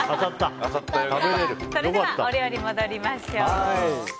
それではお料理に戻りましょう。